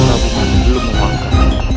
aku masih belum memanggil